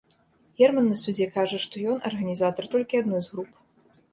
Герман на судзе кажа, што ён арганізатар толькі адной з груп.